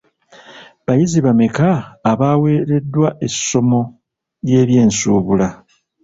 Bayizi bameka abawereddwa essomo ly'ebyensuubula?